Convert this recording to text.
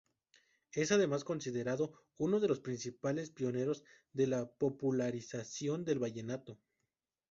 Es además considerado uno de los principales pioneros de la popularización del vallenato.